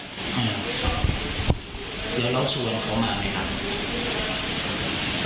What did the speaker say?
แล้วเราชวนเขามาไหมครับ